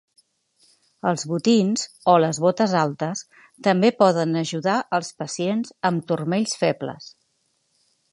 Els botins o les botes altes també poden ajudar als pacients amb turmells febles.